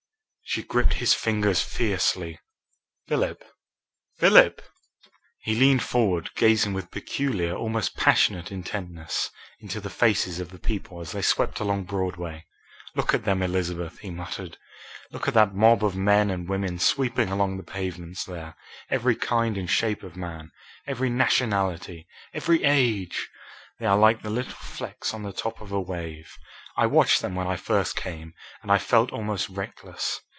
She gripped his fingers fiercely. "Philip! Philip!" He leaned forward, gazing with peculiar, almost passionate intentness, into the faces of the people as they swept along Broadway. "Look at them, Elizabeth!" he muttered. "Look at that mob of men and women sweeping along the pavements there, every kind and shape of man, every nationality, every age! They are like the little flecks on the top of a wave. I watched them when I first came and I felt almost reckless.